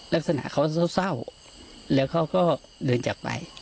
ลักษณะเขาเศร้าแล้วเขาก็เดินจากไป